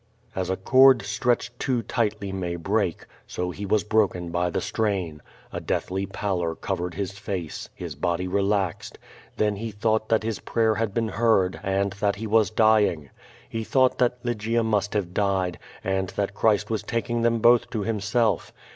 As a cord stretched too tightly may break, so he was broken by the strain. A deathly pallor covered his face. His body relaxed. Then he thought that his prayer had been heard, and that he was dying. He thought that Lygia must QUO VADI8. 475 have died, and that Christ was taking them both to Himself.